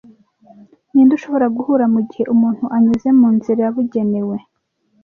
Ninde ushobora guhura mugihe umuntu anyuze munzira yabugenewe